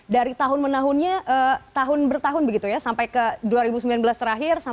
dari tahun menahunnya tahun bertahun begitu ya sampai ke dua ribu sembilan belas terakhir